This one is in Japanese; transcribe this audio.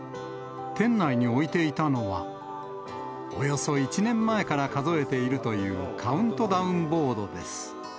店内に置いていたのは、およそ１年前から数えているという、カウントダウンボードです。